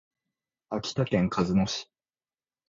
秋田県鹿角市